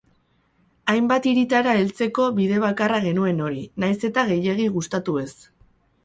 Hainbat hiritara heltzeko bide bakarra genuen hori, nahiz eta gehiegi gustatu ez.